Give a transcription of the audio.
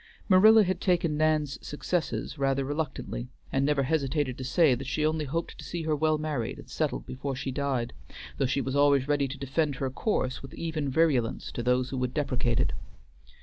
Marilla had taken Nan's successes rather reluctantly, and never hesitated to say that she only hoped to see her well married and settled before she died; though she was always ready to defend her course with even virulence to those who would deprecate it.